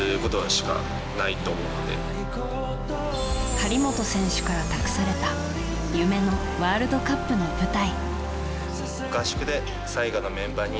張本選手から託された夢のワールドカップの舞台。